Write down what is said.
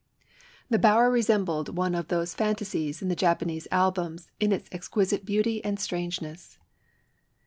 The bower resembled one of those fantasies in the Japanese albums in its exquisite beauty and strange ness.